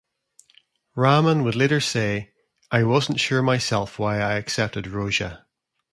Rahman would later say: "I wasn't sure myself why I accepted "Roja".